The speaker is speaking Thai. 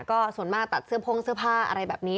ก็ส่วนมากตัดเสื้อโพ่งเสื้อผ้าอะไรแบบนี้